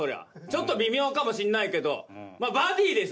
ちょっと微妙かもしんないけどまあバディでしょ